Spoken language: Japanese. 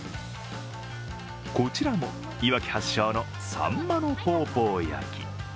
こちらもいわき発祥のさんまのポーポー焼き。